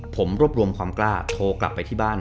ผมรวบรวมความกล้าโทรกลับไปที่บ้าน